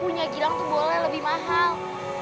punya gilang tuh boleh lebih mahal